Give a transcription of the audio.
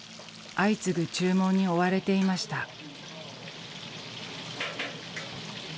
相次ぐ注文に追われていました。